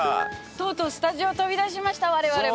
とうとうスタジオを飛び出しました我々も。